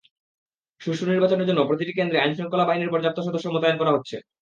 সুষ্ঠু নির্বাচনের জন্য প্রতিটি কেন্দ্রে আইনশৃঙ্খলা বাহিনীর পর্যাপ্ত সদস্য মোতায়েন করা হচ্ছে।